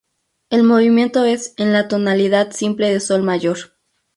El movimiento es en la tonalidad simple de Sol mayor.